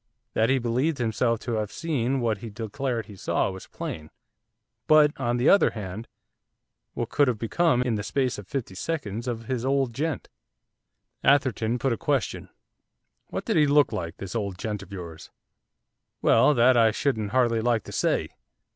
That he believed himself to have seen what he declared he saw was plain. But, on the other hand, what could have become in the space of fifty seconds! of his 'old gent'? Atherton put a question. 'What did he look like, this old gent of yours?' 'Well, that I shouldn't hardly like to say.